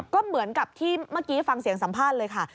ก็เหมือนกับที่เมื่อกี้ฟังเสียงสัมภาษณ์เลยค่ะ